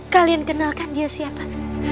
kalian kenalkan dia siapa